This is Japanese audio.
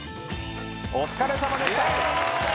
お疲れさまでした。